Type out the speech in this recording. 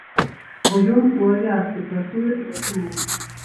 Бо ён ў авіяцыі працуе, як і мы.